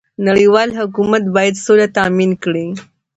نړيوال حکومت بايد سوله تامين کړي.